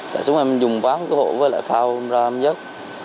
chạy xuống em dùng ván cái hộ với lại phao ra em dớt